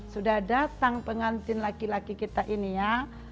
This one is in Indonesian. sudah datang pengantin laki laki kita ini ya